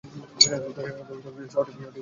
প্রশাসনিকভাবে শহরটি কলাপাড়া উপজেলার সদর।